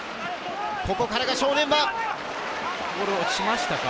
ここからが正念場。